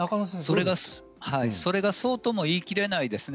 それがそうとも言い切れないですね。